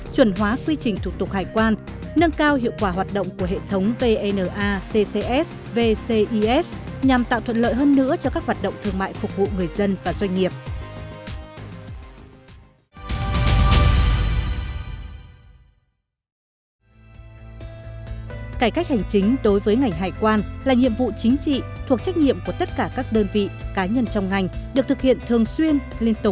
cải cách hành chính đối với ngành hải quan là nhiệm vụ chính trị thuộc trách nhiệm của tất cả các đơn vị cá nhân trong ngành được thực hiện thường xuyên liên tục